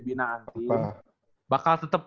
binaan tim bakal tetep